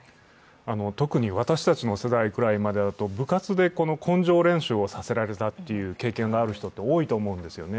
特に私たちの世代くらいまでだと部活で根性練習をさせられた経験のある人って多いと思うんですよね。